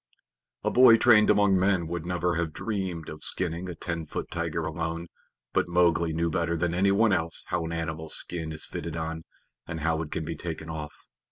A boy trained among men would never have dreamed of skinning a ten foot tiger alone, but Mowgli knew better than anyone else how an animal's skin is fitted on, and how it can be taken off.